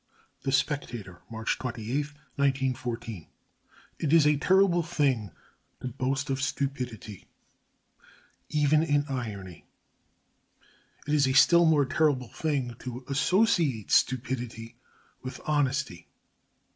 The Spectator, March 28, 1914. It is a terrible thing to boast of stupidity, even in irony. It is a still more terrible thing to associate stupidity with honesty.